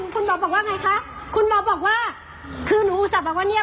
คุณหมอบอกว่าไงคะคุณหมอบอกว่าคือหนูอุตส่าห์บอกว่าเนี่ย